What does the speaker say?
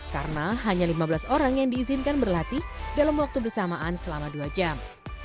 karena hanya lima belas orang yang diizinkan berlatih dalam waktu bersamaan selama dua jam